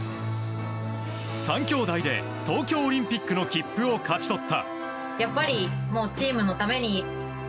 ３きょうだいで東京オリンピックの切符を勝ち取った。